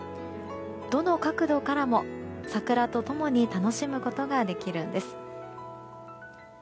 どの角度からも桜と共に楽しむことができるんです。